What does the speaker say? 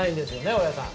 大矢さん。